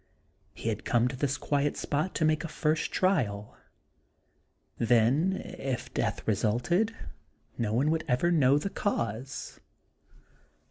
He had come to this quiet spot to make a first trial. Then if death resulted no one would ever know the cause.